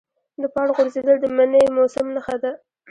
د پاڼو غورځېدل د مني موسم نښه ده.